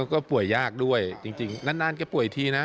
ก็ป่วยยากด้วยจริงนานแกป่วยทีนะ